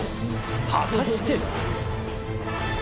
果たして？